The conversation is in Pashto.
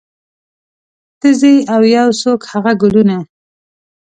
ته ځې او یو څوک هغه ګلونه